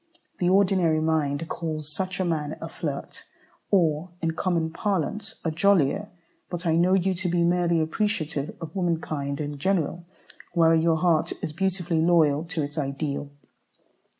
The ordinary mind calls such a man a flirt, or, in common parlance, "a jollier;" but I know you to be merely appreciative of womankind in general, while your heart is beautifully loyal to its ideal.